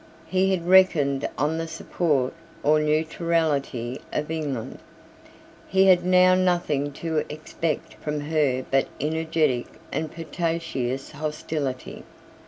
He had reckoned on the support or neutrality of England. He had now nothing to expect from her but energetic and pertinacious hostility.